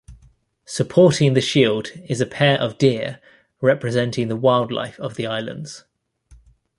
Supporting the shield is a pair of deer representing the wildlife of the islands.